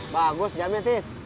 bagus jamnya tis